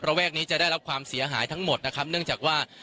แวกนี้จะได้รับความเสียหายทั้งหมดนะครับเนื่องจากว่า